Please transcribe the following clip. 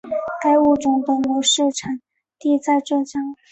该物种的模式产地在浙江。